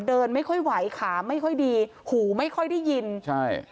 เดินไม่ค่อยไหวขาไม่ค่อยดีหูไม่ค่อยได้ยินใช่